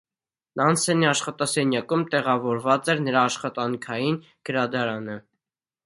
Նանսենի աշխատասենյակում տեաղավորված էր նրա աշխատանքային գրադարանը։